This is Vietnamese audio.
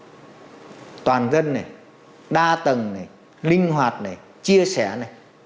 và toàn dân này đa tầng này linh hoạt này chia sẻ này